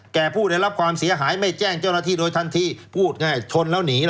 ผู้ได้รับความเสียหายไม่แจ้งเจ้าหน้าที่โดยทันทีพูดง่ายชนแล้วหนี